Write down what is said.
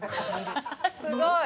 すごい！